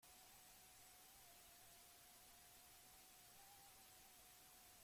Nestor Basterretxea bere irudiaren txotxongiloarekin.